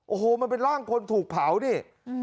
โอ้โหมันเป็นร่างคนถูกเผานี่